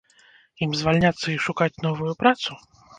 Ім звальняцца і шукаць новую працу?